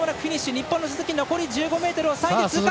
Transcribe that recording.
日本の鈴木、残りの１５ｍ３位で通過。